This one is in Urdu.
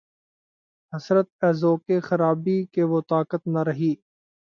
حسرت! اے ذوقِ خرابی کہ‘ وہ طاقت نہ رہی